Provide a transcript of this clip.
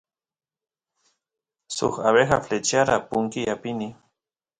suk abeja flechyara punkiy apini